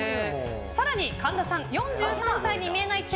更に、神田さんって４３才に見えないですね！